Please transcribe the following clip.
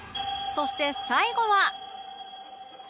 そして最後は